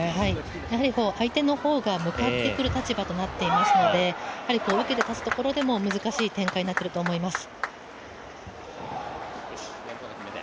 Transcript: やはり相手の方が向かってくる立場となっていますので受けて立つところでも難しい展開になっていると思います。